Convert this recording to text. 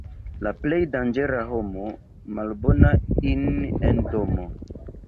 La plej danĝera homo — malbona in' en domo.